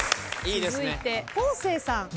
続いて昴生さん。